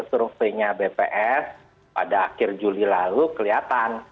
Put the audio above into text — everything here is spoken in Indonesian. surveinya bps pada akhir juli lalu kelihatan